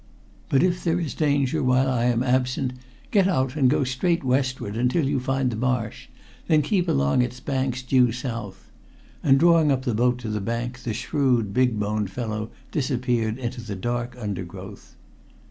But if there is danger while I am absent get out and go straight westward until you find the marsh, then keep along its banks due south," and drawing up the boat to the bank the shrewd, big boned fellow disappeared into the dark undergrowth.